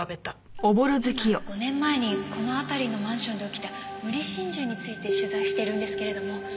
今５年前にこの辺りのマンションで起きた無理心中について取材してるんですけれども。